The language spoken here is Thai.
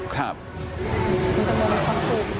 คุณเบิร์ตโพสต์สุด